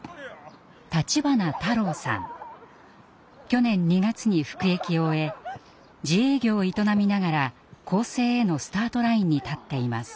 去年２月に服役を終え自営業を営みながら更生へのスタートラインに立っています。